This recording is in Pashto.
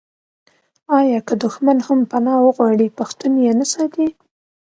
آیا که دښمن هم پنا وغواړي پښتون یې نه ساتي؟